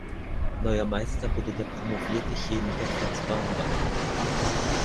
Neuer Meister wurde der promovierte Chemiker Fritz Baumbach.